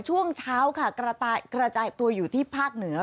ช่วงเช้าค่ะกระจายตัวอยู่ที่ภาคเหนือ